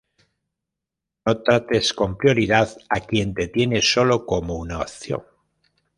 No trates con prioridad a quien te tiene solo como una opción